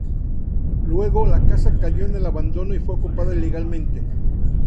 Luego, la casa cayó en el abandono y fue ocupada ilegalmente.